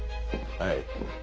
はい。